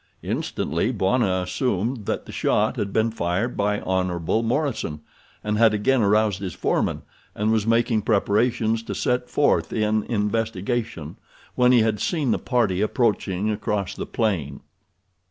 Instantly Bwana assumed that the shot had been fired by Hon. Morison, and had again aroused his foreman and was making preparations to set forth in investigation when he had seen the party approaching across the plain.